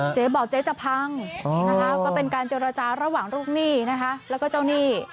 เจ๊บอกเจ๊จะพังนะคะก็เป็นการเจรจาระหว่างลูกหนี้นะคะแล้วก็เจ้าหนี้